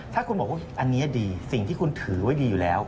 ถ้าคุณบอกว่าอันนี้ดีสิ่งที่คุณถือไว้ดีอยู่แล้ว